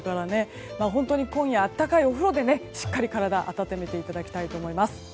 本当に今夜温かいお風呂でしっかり体を温めていただきたいと思います。